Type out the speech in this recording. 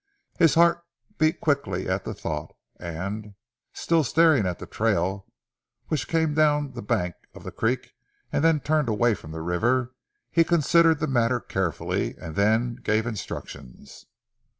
His heart beat quickly at the thought and, still staring at the trail which came down the bank of the creek and then turned away from the river, he considered the matter carefully, and then gave instructions.